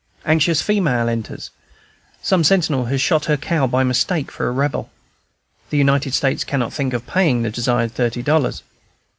Anxious female enters. Some sentinel has shot her cow by mistake for a Rebel. The United States cannot think of paying the desired thirty dollars.